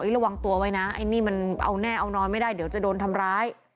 ระวังตัวไว้นะไอ้นี่มันเอาแน่เอานอนไม่ได้เดี๋ยวจะโดนทำร้าย